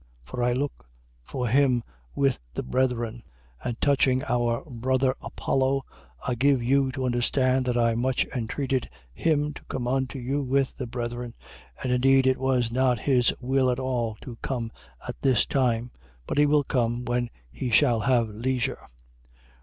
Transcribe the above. For I look for him with the brethren. 16:12. And touching our brother Apollo, I give you to understand that I much entreated him to come unto you with the brethren: and indeed it was not his will at all to come at this time. But he will come when he shall have leisure.